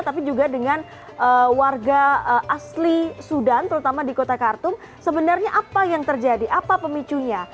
tapi juga dengan warga asli sudan terutama di kota khartoum sebenarnya apa yang terjadi apa pemicunya